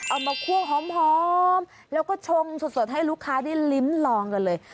เอามาคั่วหอมแล้วก็ชงสดให้ลูกค้าได้ลิ้มลองกันเลย